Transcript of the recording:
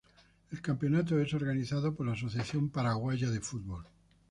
El campeonato es organizado por la Asociación Paraguaya de Fútbol.